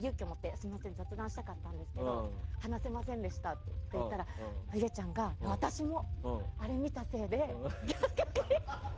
すみません雑談したかったんですけど話せませんでしたって言ったらいげちゃんが私もあれ見たせいで逆に。